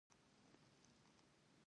سپین ږیری د ژوند تجربې موږ ته درس راکوي